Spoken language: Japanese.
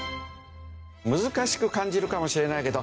難しく感じるかもしれないけど